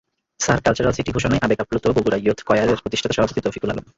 SAARC cultural city ঘোষণায় আবেগ আপ্লুত বগুড়া ইয়ুথ কয়্যারের প্রতিষ্ঠাতা সভাপতি তৌফিকুল আলম।